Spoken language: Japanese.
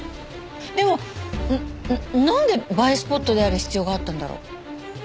でもなんで映えスポットである必要があったんだろう？